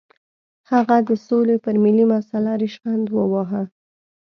هغه د سولې پر ملي مسله ریشخند وواهه.